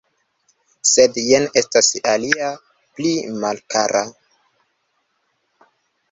Sed jen estas alia pli malkara.